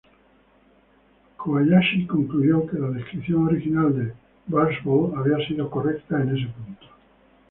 Kobayashi concluyó que la descripción original de Barsbold había sido correcta en este punto.